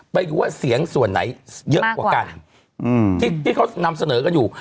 ไปดูว่าเสียงส่วนไหนเยอะกว่ากันที่เขานำเสนอกันอยู่